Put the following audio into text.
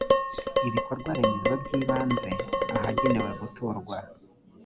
ibikorwaremezo by ibanze ahagenewe guturwa